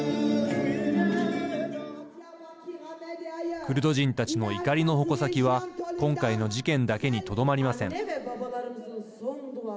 クルド人たちの怒りの矛先は今回の事件だけにとどまりません。